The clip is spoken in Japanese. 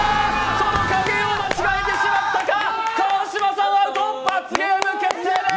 その加減を間違えてしまったか、川島さん、罰ゲーム決定です！